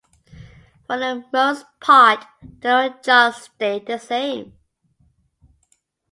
For the most part, the lower jaw stayed the same.